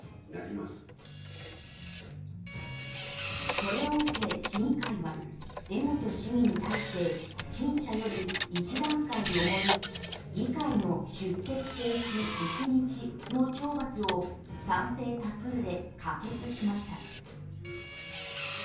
これを受け市議会は江本市議に対して陳謝より一段階重い議会の出席停止１日の懲罰を賛成多数で可決しました。